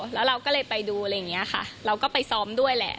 แล้วเราก็เลยไปดูอะไรอย่างนี้ค่ะเราก็ไปซ้อมด้วยแหละ